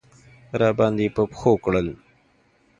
راباندې په پښو کړل.